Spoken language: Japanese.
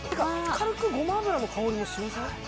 軽くゴマ油の香りもしません？